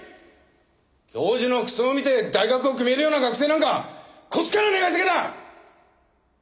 教授の服装を見て大学を決めるような学生なんかこっちから願い下げだ！